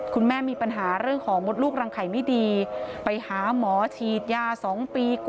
คุณแม่มีปัญหาเรื่องของมดลูกรังไขไม่ดี